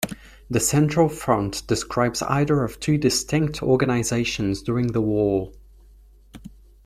The Central Front describes either of two distinct organizations during the war.